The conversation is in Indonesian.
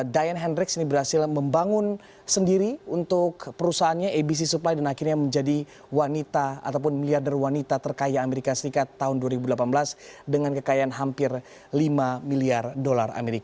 diane hendriks ini berhasil membangun sendiri untuk perusahaannya abc supply dan akhirnya menjadi wanita ataupun miliarder wanita terkaya amerika serikat tahun dua ribu delapan belas dengan kekayaan hampir lima miliar dolar amerika